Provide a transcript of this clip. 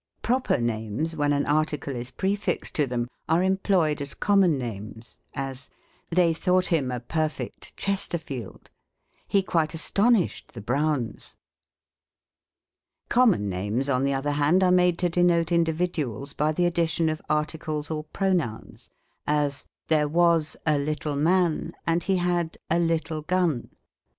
Proper names, when an article is prefixed to them, are employed as connnon names : as, " They thought him a perfect Chesterfield ; he quite astonished the Broivjis." Common names, on the other hand, are made to de note individuals, by the addition of ai'ticles or pro nouns : as, " There was a little man, and he had a little gun."